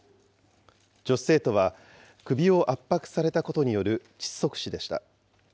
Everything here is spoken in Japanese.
女子生徒は、首を圧迫されたことによる窒息死でした。